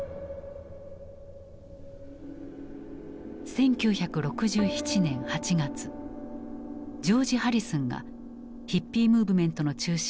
１９６７年８月ジョージ・ハリスンがヒッピー・ムーブメントの中心